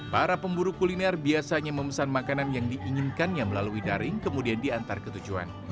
para pemburu kuliner biasanya memesan makanan yang diinginkannya melalui daring kemudian diantar ke tujuan